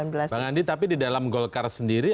bang andi tapi di dalam golkar sendiri